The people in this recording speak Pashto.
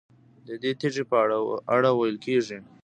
ددې تیږې په اړه ویل کېږي.